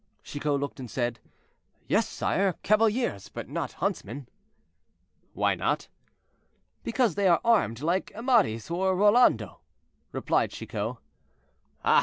Chicot looked and said, "Yes, sire, cavaliers, but not huntsmen." "Why not?" "Because they are armed like Amadis or Rolando," replied Chicot. "Ah!